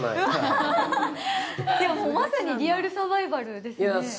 まさにリアルサバイバルですよね。